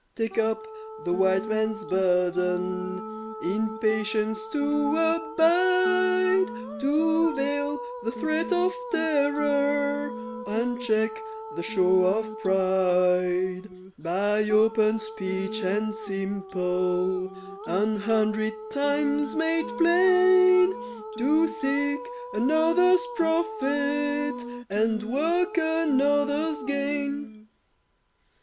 Take up the White Man's burden In patience to abide, To veil the threat of terror And check the show of pride; By open speech and simple, An hundred times made plain, To seek another's profit, And work another's gain.